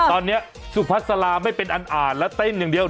ตอนนี้สุพัสลาไม่เป็นอันอ่านแล้วเต้นอย่างเดียว